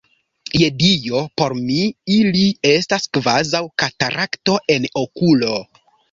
Je Dio, por mi ili estas kvazaŭ katarakto en okulo!